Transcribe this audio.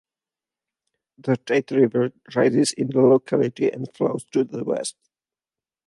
The "Tate River" rises in the locality and flows to the west.